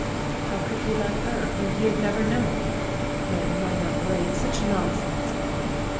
How could he love her, whom he had never known ? Marry Minot Braid ! Such nonsense